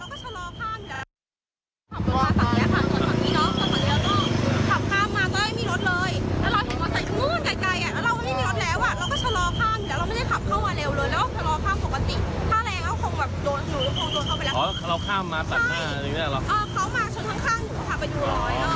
เพราะเขาค่อยข้ามมาไม่ถึงโดน